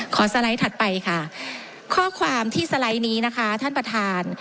สไลด์ถัดไปค่ะข้อความที่สไลด์นี้นะคะท่านประธาน